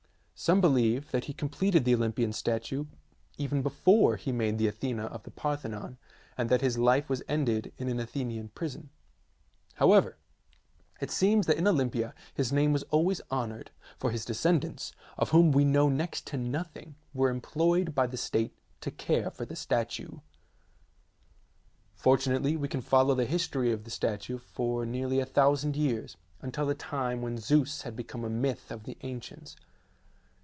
Some believe that he completed the Olympian statue even before he made the Athena of the Parthenon, and that his life was ended in an Athenian prison. However, 94 THE SEVEN WONDERS it seems that in Olympia his name was always honoured, for his descendants, of whom we know next to nothing, were employed by the state to care for the statue. Fortunately we can follow the history of the statue for nearly a thousand years, until the time when Zeus had become a myth of the ancients.